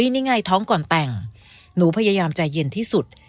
นี่ไงท้องก่อนแต่งหนูพยายามใจเย็นที่สุด